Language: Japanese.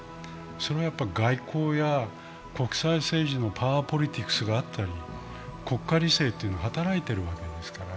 それは外交や国際政治のパワーポリティクスがあったり、国家理性というのが働いているわけですから。